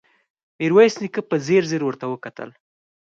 ميرويس نيکه په ځير ځير ورته وکتل.